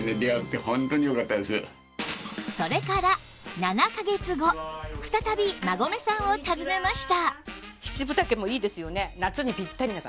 それから７カ月後再び馬込さんを訪ねました